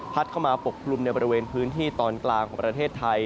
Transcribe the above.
เข้ามาปกกลุ่มในบริเวณพื้นที่ตอนกลางของประเทศไทย